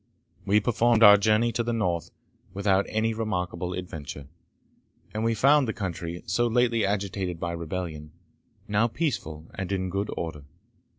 We performed our journey to the North without any remarkable adventure, and we found the country, so lately agitated by rebellion, now peaceful and in good order.